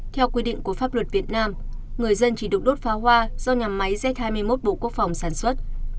theo quy định của pháp luật việt nam người dân chỉ được đốt pháo hoa do nhà máy z hai mươi một bộ quốc phòng sản xuất